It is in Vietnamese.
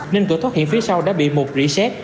nên cửa thoát hiểm phía sau đã bị một reset